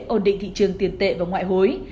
ổn định thị trường tiền tệ và ngoại hối